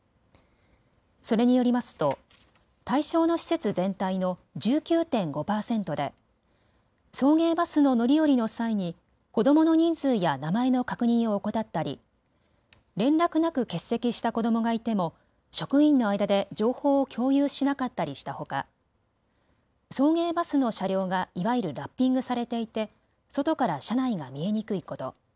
それによりますと対象の施設全体の１９．５％で送迎バスの乗り降りの際に子どもの人数や名前の確認を怠ったり連絡なく欠席した子どもがいても職員の間で情報を共有しなかったりしたほか、送迎バスの車両がいわゆるラッピングされていて外から車内が見えにくいこと。